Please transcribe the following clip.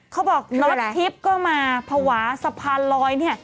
เขาบอกน็อตทิพย์ก็มาภาวะสะพานลอยเนี่ย